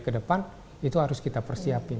ke depan itu harus kita persiapkan